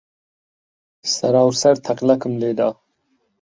سەرا و سەر تەقلەکم لێ دا.